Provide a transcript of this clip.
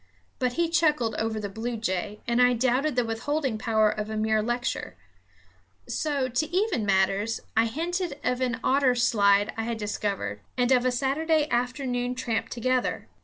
But he chuckled over the bluejay, and I doubted the withholding power of a mere lecture; so, to even matters, I hinted of an otter slide I had discovered, and of a Saturday afternoon tramp together.